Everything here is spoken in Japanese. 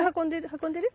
運んでる？